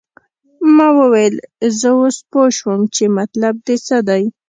ما وویل زه اوس پوه شوم چې مطلب دې څه دی.